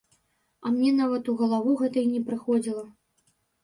А мне нават у галаву гэта й не прыходзіла.